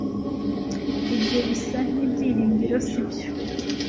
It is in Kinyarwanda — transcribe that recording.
Ibyo bisa nkibyiringiro sibyo